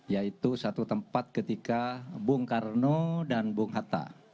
yaitu satu tempat ketika bung karno dan bung hatta